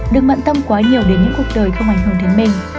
đừng bận tâm quá nhiều đến những cuộc đời không ảnh hưởng đến mình